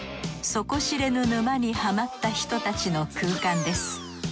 底知れぬ沼にハマった人たちの空間です。